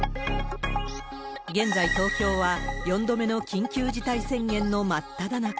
現在、東京は４度目の緊急事態宣言の真っただ中。